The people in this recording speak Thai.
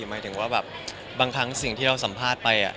หมายถึงว่าแบบบางครั้งสิ่งที่เราสัมภาษณ์ไป